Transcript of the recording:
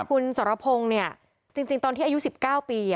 คุณสรพงศ์เนี่ยจริงตอนที่อายุ๑๙ปี